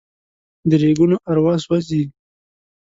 د ریګونو اروا سوزي